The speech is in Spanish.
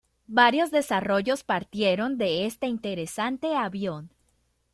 Varios desarrollos partieron de este interesante avión.